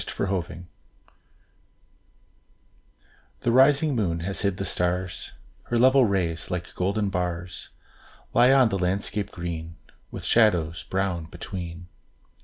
ENDYMION The rising moon has hid the stars; Her level rays, like golden bars, Lie on the landscape green, With shadows brown between.